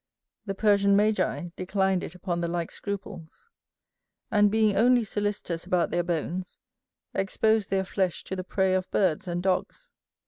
The Persian magi declined it upon the like scruples, and being only solicitous about their bones, exposed their flesh to the prey of birds and dogs.